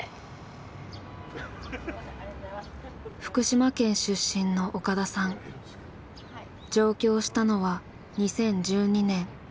福島県出身の岡田さん上京したのは２０１２年。